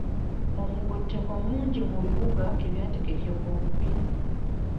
Omugotteko mungi mu bibuga ebyategekebwa obubi.